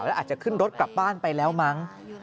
แล้วอาจจะขึ้นรถกลับบ้านไปแล้วมั้ง